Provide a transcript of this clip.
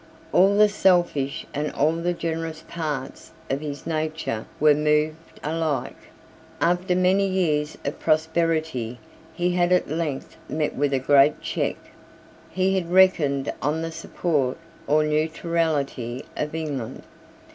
All the selfish and all the generous parts of his nature were moved alike. After many years of prosperity he had at length met with a great check. He had reckoned on the support or neutrality of England.